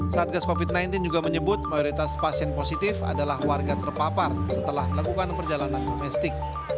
satgas covid sembilan belas juga menyebut mayoritas pasien positif adalah warga terpapar setelah melakukan perjalanan domestik